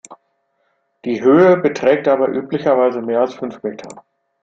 Die Höhe beträgt dabei üblicherweise mehr als fünf Meter.